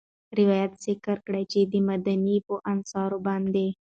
روايت ذکر کړی چې د مديني په انصارو باندي